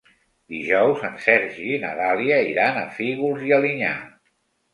Dijous en Sergi i na Dàlia iran a Fígols i Alinyà.